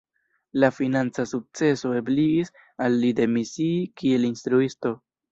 La financa sukceso ebligis al li demisii kiel instruisto.